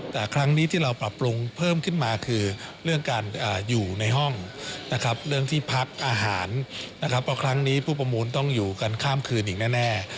แต่ครั้งนี้ที่เราปรับปรุงเพิ่มขึ้นมาคือเรื่องการอยู่ในห้องนะครับเรื่องที่พักอาหารนะครับเพราะครั้งนี้ผู้ประมูลต้องอยู่กันข้ามคืนอีกแน่